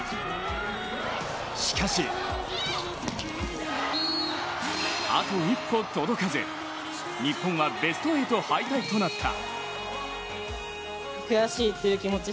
しかしあと一歩届かず、日本はベスト８敗退となった。